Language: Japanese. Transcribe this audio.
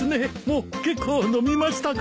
もう結構飲みましたからね。